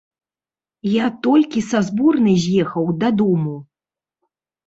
Я толькі са зборнай з'ехаў дадому.